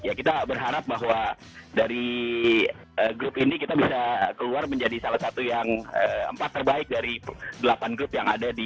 ya kita berharap bahwa dari grup ini kita bisa keluar menjadi salah satu yang empat terbaik dari delapan grup yang ada di